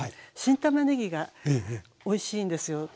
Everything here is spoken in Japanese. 新たまねぎがおいしいんですよ